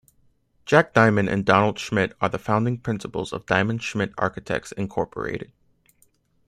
Jack Diamond and Donald Schmitt are the founding principals of Diamond Schmitt Architects Incorporated.